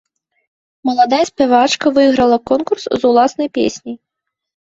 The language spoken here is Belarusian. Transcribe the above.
Маладая спявачка выйграла конкурс з уласнай песняй.